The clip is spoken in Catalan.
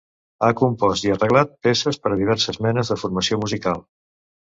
Ha compost i arreglat peces per a diverses menes de formació musical.